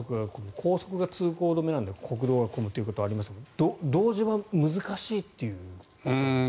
高速が通行止めなんで国道が混むということはありますが同時は難しいということですか？